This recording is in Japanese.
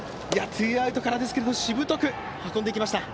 ツーアウトからですがしぶとく運んでいきました。